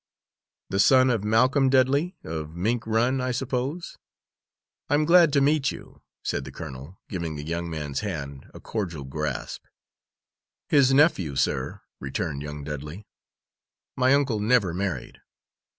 "The son of Malcolm Dudley, of Mink Run, I suppose? I'm glad to meet you," said the colonel, giving the young man's hand a cordial grasp. "His nephew, sir," returned young Dudley. "My uncle never married."